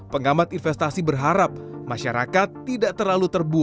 pengamat investasi berharap masyarakat tidak terlalu terbuka